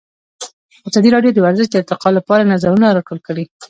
ازادي راډیو د ورزش د ارتقا لپاره نظرونه راټول کړي.